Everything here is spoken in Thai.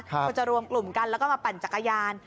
ก็จะรวมกลุ่มกันแล้วก็มาปั่นจักรยาน